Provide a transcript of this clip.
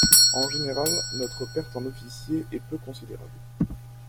En général, notre perte en officiers est peu considérable.